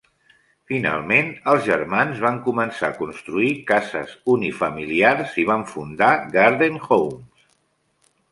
Finalment, els germans van començar a construir cases unifamiliars i van fundar Garden Homes.